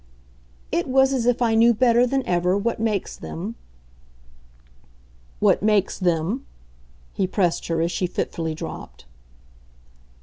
"It was as if I knew better than ever what makes them " "What makes them?" he pressed her as she fitfully dropped.